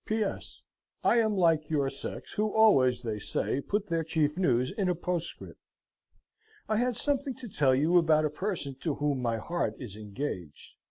"P.S. I am like your sex, who always, they say, put their chief news in a poscrip. I had something to tell you about a person to whom my heart is engaged.